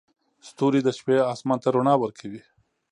ستوري د شپې اسمان ته رڼا ورکوي.